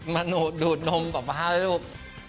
มาดูดนมกับพ่อลูก